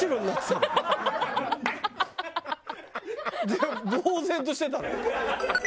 でぼう然としてたの。